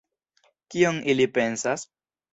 Kion ili pensas?